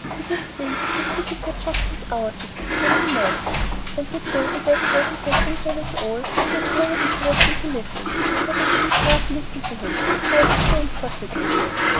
He did say that the cities were just like our cities, only more so, and that though the West wasn't like England at all, it was very interesting to live in; but I didn't half listen to him, it sounded so impossible."